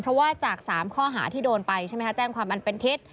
เพราะว่าจาก๓ข้อหาที่โดนไปใช่ไหมคะแจ้งความอันเป็นเท็จ